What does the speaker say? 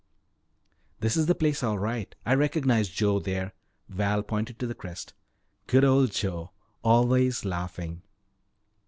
"This is the place all right I recognize Joe there." Val pointed to the crest. "Good old Joe, always laughing."